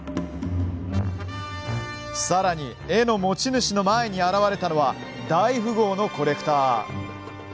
さらに、絵の持ち主の前に現れたのは大富豪のコレクター。